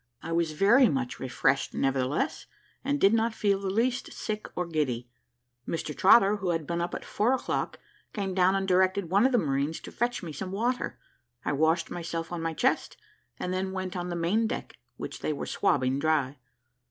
I was very much refreshed nevertheless, and did not feel the least sick or giddy. Mr Trotter, who had been up at four o'clock, came down and directed one of the marines to fetch me some water. I washed myself on my chest, and then went on the main deck, which they were swabbing dry.